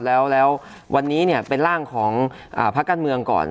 แล้วแล้ววันนี้เนี่ยเป็นร่างของพระการเมืองก่อน